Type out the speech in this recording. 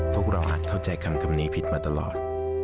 พวกเราอาจเข้าใจคำนี้ผิดมาตลอด